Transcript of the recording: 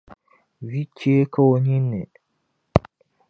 Vi chɛɛ ka o ninni.